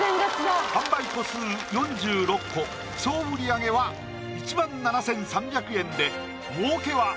販売個数４６個総売り上げは１万７３００円で儲けは１７３０円！